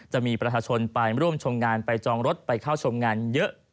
จะมีประชาชนไปร่วมชมงานไปจองรถไปเข้าชมงานเยอะ